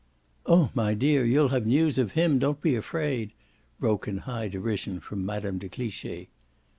"Oh my dear, you'll have news of him. Don't be afraid!" broke in high derision from Mme. de Cliche.